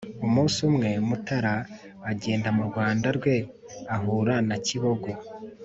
umunsi umwe mutara agenda mu rwanda rwe ahura na kibogo